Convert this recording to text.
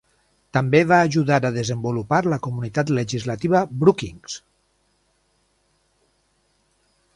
També va ajudar a desenvolupar la Comunitat Legislativa Brookings.